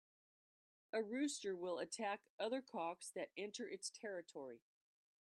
A rooster will attack other cocks that enter its territory.